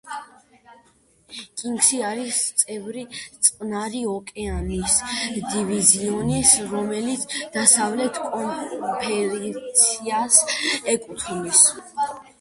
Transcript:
კინგსი არის წევრი წყნარი ოკეანის დივიზიონის, რომელიც დასავლეთ კონფერენციას ეკუთვნის.